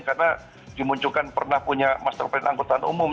karena dimunculkan pernah punya master plan anggota umum